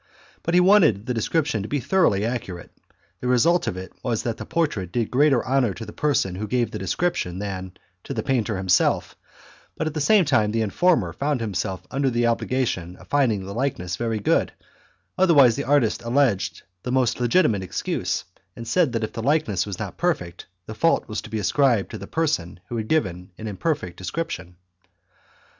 But he wanted the description to be thoroughly accurate. The result of it was that the portrait did greater honour to the person who gave the description than to the painter himself, but at the same time the informer found himself under the obligation of finding the likeness very good; otherwise the artist alleged the most legitimate excuse, and said that if the likeness was not perfect the fault was to be ascribed to the person who had given an imperfect description.